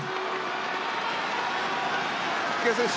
池江選手